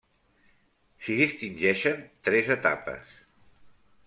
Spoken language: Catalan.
S'hi distingeixen tres etapes.